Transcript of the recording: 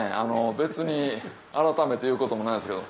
別に改めて言うこともないんですけど。